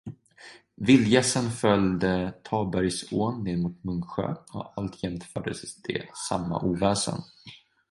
Vildgässen följde Tabergsån ner mot Munksjö, och alltjämt förde de samma oväsen.